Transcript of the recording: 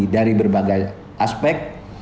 dari berbagai aspek